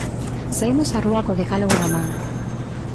Saímos á rúa co decálogo na man.